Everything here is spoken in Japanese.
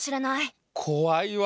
こわいわ。